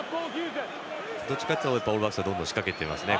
どちらかというとオールブラックスがどんどん仕掛けていますね。